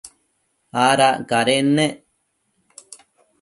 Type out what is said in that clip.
Adac cadennec